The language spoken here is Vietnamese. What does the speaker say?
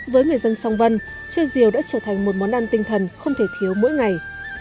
với người dân song vân chơi diều đã trở thành một món ăn tinh thần không thể thiếu mỗi ngày